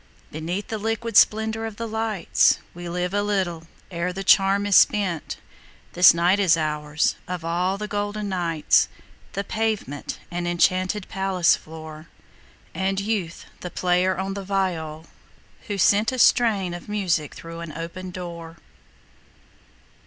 Beneath the liquid splendor of the lights We live a little ere the charm is spent; This night is ours, of all the golden nights, The pavement an enchanted palace floor, And Youth the player on the viol, who sent A strain of music through an open door.